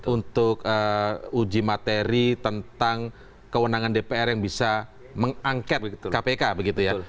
untuk uji materi tentang kewenangan dpr yang bisa mengangket kpk begitu ya